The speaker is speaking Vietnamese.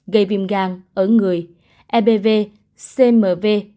gây viêm gan ở người ebv cmv